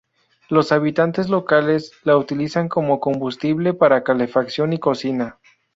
Los habitantes locales la utilizan como combustible para calefacción y cocina.